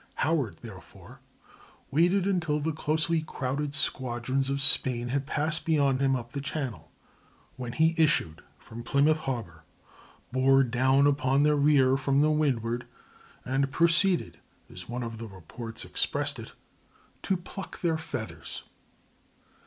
Howard, therefore, waited until the closely crowded squadrons of Spain had passed beyond him up the Channel, when he issued from Plymouth harbor, bore down upon their rear from the windward, and proceeded, as one of the reports expressed it, to "pluck their feathers."